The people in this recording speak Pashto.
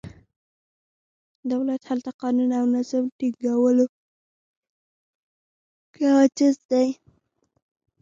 دولت هلته قانون او نظم ټینګولو کې عاجز دی.